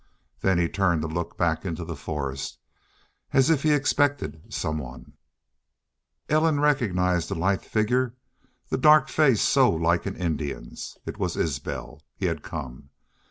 Then he turned to look back into the forest, as if he expected some one. Ellen recognized the lithe figure, the dark face so like an Indian's. It was Isbel. He had come.